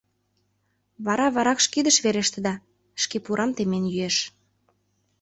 — Вара варакш кидыш верештыда... — шке пурам темен йӱэш.